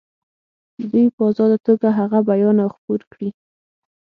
دوی په آزاده توګه هغه بیان او خپور کړي.